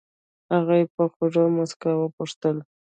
هغې په خوږې موسکا وپوښتل.